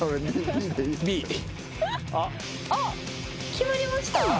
決まりました？